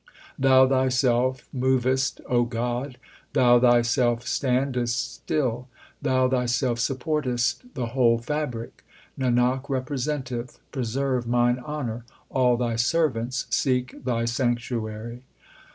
Thou Thyself movest, O God ; Thou Thyself standest still ; Thou Thyself support est the whole fabric. Nanak representeth, preserve mine honour ; all Thy ser vants seek Thy sanctuary.